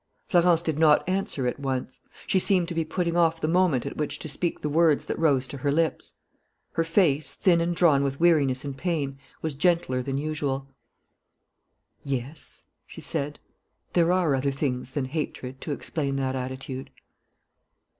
Florence did not answer at once. She seemed to be putting off the moment at which to speak the words that rose to her lips. Her face, thin and drawn with weariness and pain, was gentler than usual. "Yes," she said, "there are other things than hatred to explain that attitude."